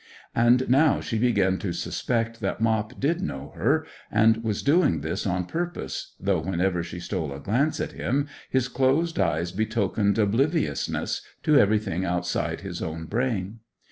And now she began to suspect that Mop did know her, and was doing this on purpose, though whenever she stole a glance at him his closed eyes betokened obliviousness to everything outside his own brain.